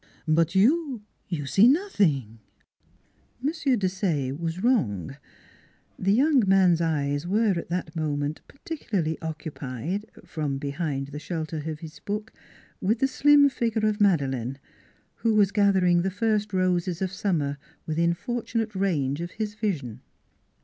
But you you see nothing! " M. Desaye was wrong: the young man's eyes were at that moment particularly occupied (from behind the shelter of his book) with the slim figure of Madeleine, who was gathering the first roses of summer within fortunate range of his vision.